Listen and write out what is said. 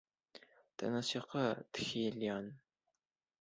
Тыныс йоҡла, Тхи Лиен!